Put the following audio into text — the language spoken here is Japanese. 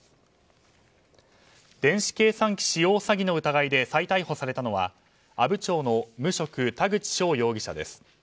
電子計算機使用詐欺の疑いで再逮捕されたのは阿武町の無職、田口翔容疑者です。